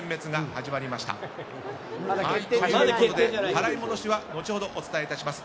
払い戻しは後ほどお伝えします。